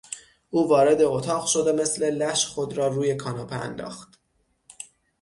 او وارد اتاق شد و مثل لش خود را روی کاناپه انداخت.